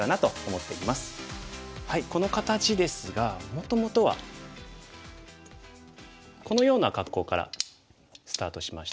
この形ですがもともとはこのような格好からスタートしましたね。